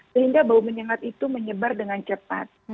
sehingga bau menyengat itu menyebar dengan cepat